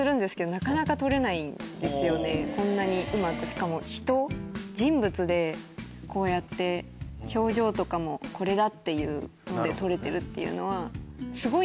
しかも人人物でこうやって表情とかもこれだ！っていうので撮れてるっていうのは。